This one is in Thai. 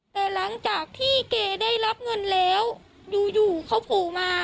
แต่หลังจากที่แกได้รับเงินแล้วอยู่อยู่เขาโผล่มา